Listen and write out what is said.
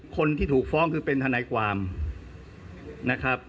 คนที่ถูกฟ้องคือเป็นทนายความนะครับ